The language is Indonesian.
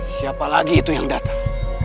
siapa lagi itu yang datang